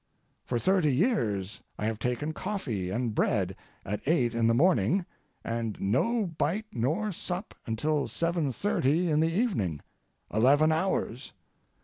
For thirty years I have taken coffee and bread at eight in the morning, and no bite nor sup until seven thirty in the evening. Eleven hours.